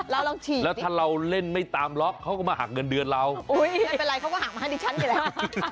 เราลองฉีดแล้วถ้าเราเล่นไม่ตามล็อกเขาก็มาหักเงินเดือนเราอุ้ยไม่เป็นไรเขาก็หักมาให้ดิฉันอยู่แล้ว